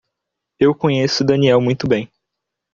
Eu conheço Daniel muito bem.